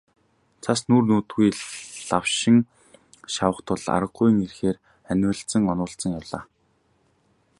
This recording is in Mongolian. Цас нүүр нүдгүй лавшин шавах тул аргагүйн эрхээр анивалзан онилзон явлаа.